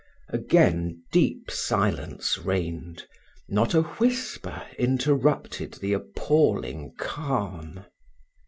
Again deep silence reigned not a whisper interrupted the appalling calm.